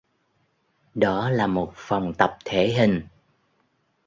Đó là một phòng tập thể hình